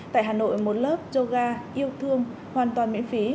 tại hà nội một lớp yoga yêu thương hoàn toàn miễn phí